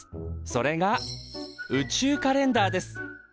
それが宇宙カレンダーです。